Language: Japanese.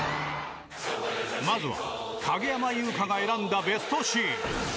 まずは、影山優佳が選んだベストシーン。